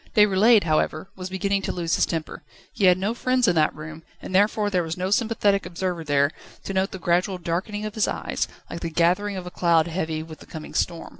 Déroulède, however, was beginning to lose his temper. He had no friends in that room, and therefore there was no sympathetic observer there, to note the gradual darkening of his eyes, like the gathering of a cloud heavy with the coming storm.